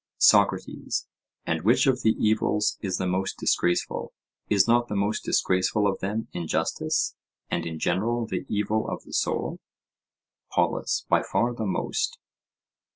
SOCRATES: And which of the evils is the most disgraceful?—Is not the most disgraceful of them injustice, and in general the evil of the soul? POLUS: By far the most.